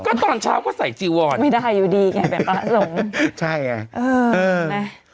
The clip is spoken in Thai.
ก็ตอนเช้าก็ใส่จีวอนไม่ได้อยู่ดีไงแบบพระสงฆ์ใช่ไงเออนะ